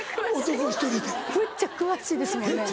むっちゃ詳しいですもんね。